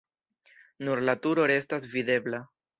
Nur la turo restas videbla.